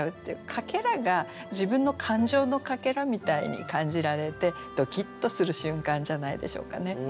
かけらが自分の感情のかけらみたいに感じられてドキッとする瞬間じゃないでしょうかね。